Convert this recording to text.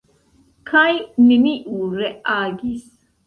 Kaj neniu reagis.